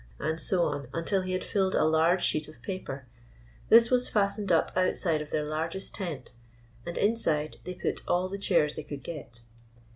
And so on until he had filled a large sheet of paper. This was fastened up outside of their largest tent, and inside they put all the chairs they could get.